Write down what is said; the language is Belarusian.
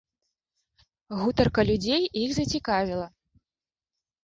Гутарка людзей іх зацікавіла.